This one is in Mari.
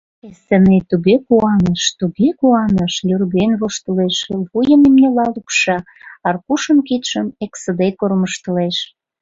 Эсеней туге куаныш, туге куаныш, люрген воштылеш, вуйым имньыла лупша, Аркушын кидшым эксыде кормыжтылеш.